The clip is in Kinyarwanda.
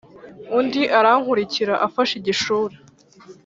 undi arankurikira afashe igishura.